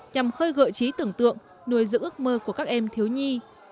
nhằm khơi gợi trí tưởng tượng nuôi giữ ước mơ của các em thiếu nhi